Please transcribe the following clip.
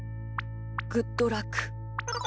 グッドラック。